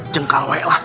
jengkal woy lah